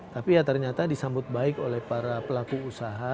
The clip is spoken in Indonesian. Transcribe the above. tapi ya ternyata disambut baik oleh para pelaku usaha